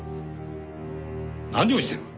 何をしている。